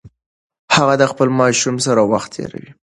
هغه د خپل ماشوم سره وخت تیروي.